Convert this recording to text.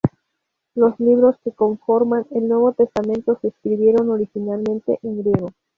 Los libros que conforman el Nuevo Testamento se escribieron originalmente en griego.